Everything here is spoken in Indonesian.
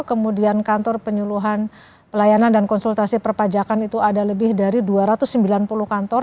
kemudian kantor penyuluhan pelayanan dan konsultasi perpajakan itu ada lebih dari dua ratus sembilan puluh kantor